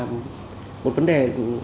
một vấn đề